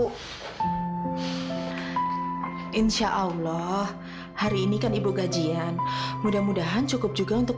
hai insya allah hari ini kan ibu gajian mudah mudahan cukup juga untuk kita buktikan